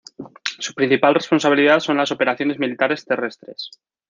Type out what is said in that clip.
Su principal responsabilidad son las operaciones militares terrestres.